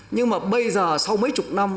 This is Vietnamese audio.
nhưng mà bây giờ sau mấy chục năm